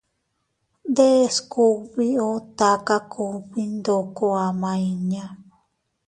Deʼes kugbi o taka kugbi ndoko ama inña.